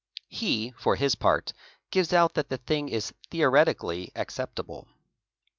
He, for his part, gives out th at the thing is theoretically acceptable.